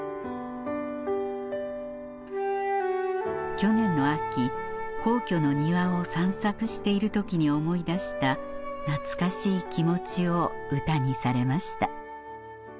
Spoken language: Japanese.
去年の秋皇居の庭を散策している時に思い出した懐かしい気持ちを歌にされました